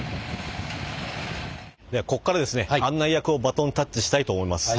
ではここからですね案内役をバトンタッチしたいと思います。